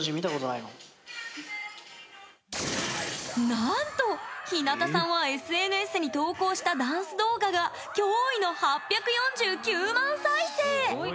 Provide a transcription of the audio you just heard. なんと、ひなたさんはＳＮＳに投稿したダンス動画が驚異の８４９万再生！